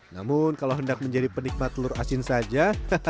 namun kalau hendak menjadi penikmat telur asin saja